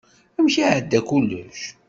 Amek ay iɛedda kullec?